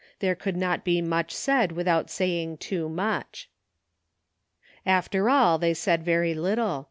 There could not be much said without saying too mucli. After all they said very little.